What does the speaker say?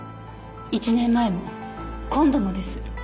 １年前も今度もです。